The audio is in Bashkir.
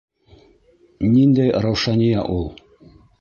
Ниндәй Раушания ул?